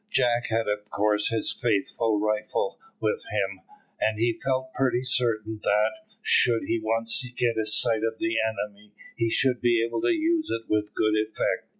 Jack had of course his faithful rifle with him, and he felt pretty certain that, should he once get a sight of the enemy, he should be able to use it with good effect.